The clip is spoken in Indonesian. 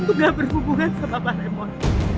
untuk nggak berhubungan sama pak raymond